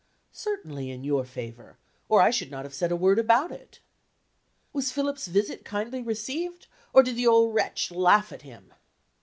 "Certainly in your favor or I should not have said a word about it." "Was Philip's visit kindly received? Or did the old wretch laugh at him?"